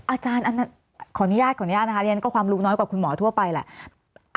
อาจารย์ขออนุญาตขออนุญาตนะคะเรียนก็ความรู้น้อยกว่าคุณหมอทั่วไปแหละ